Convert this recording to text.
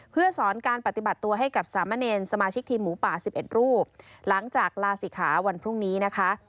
เพื่อสอนการปฏิบัติตัวให้กับสามเณรสมาชิกทีมหมูป่า๑๑รูปหลังจากลาศิขาวันพรุ่งนี้นะคะ